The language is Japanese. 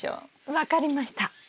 分かりました。